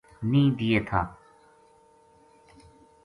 نیہہ دیے تھا